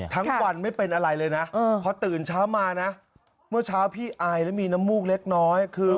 ทั้งวันไม่เป็นอะไรเลยนะพอตื่นเช้ามานะเมื่อเช้าพี่อายแล้วมีน้ำมูกเล็กน้อยคือ